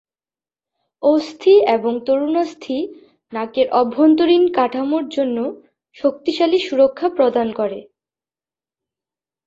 অস্থি এবং তরুণাস্থি নাকের অভ্যন্তরীণ কাঠামোর জন্য শক্তিশালী সুরক্ষা প্রদান করে।